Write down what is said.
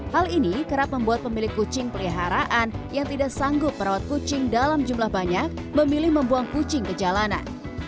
hal ini kerap membuat pemilik kucing peliharaan yang tidak sanggup merawat kucing dalam jumlah banyak memilih membuang kucing ke jalanan